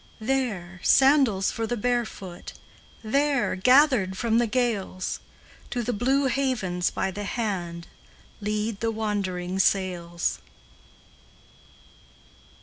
There, sandals for the barefoot; There, gathered from the gales, Do the blue havens by the hand Lead the wandering sails.